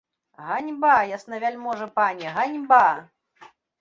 Ганьба, яснавяльможны пане, ганьба!